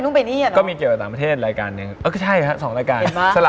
แล้วต้องไปต่างประเทศทั้งสองรายการปะ